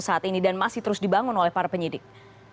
apakah itu adalah hal yang masih terus dibangun oleh para penyidik